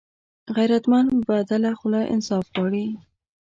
غیرتمند بدله خو انصاف غواړي